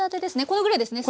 これぐらいですね。